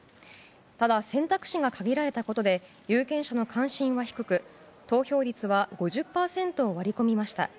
ただ、選択肢が限られたことで有権者の関心は低く投票率は５０％を割り込みました。